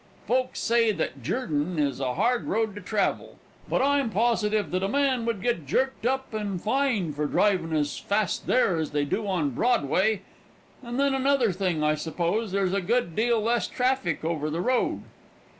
Folks say that Jurden is a hard road to travel, but I'm positive that a man would get jerked up and fined for driving as fast there as they do on Broadway; and then another thing, I s'pose there's a good deal less traffic over the road."